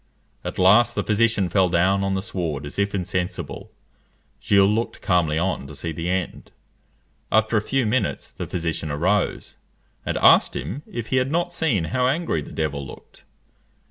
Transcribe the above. At last the physician fell down on the sward as if insensible. Gilles looked calmly on to see the end. After a few minutes the physician arose, and asked him if he had not seen how angry the devil looked?